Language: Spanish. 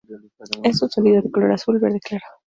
Es un sólido de color azul-verde claro.